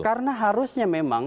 karena harusnya memang